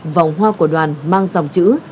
vòng hoa của đoàn mang dòng chữ